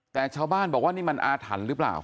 แต่ชาวบ้านบอกว่านี่มันอาถรรพ์หรือเปล่า